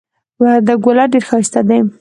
وردک ولایت ډیر ښایسته دی.